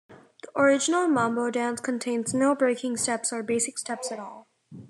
The original mambo dance contains no breaking steps or basic steps at all.